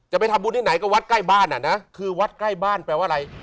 จะไปทำบุญที่ไหนก็วัดใกล้บ้านอ่ะนะคือวัดใกล้บ้านแปลว่าอะไร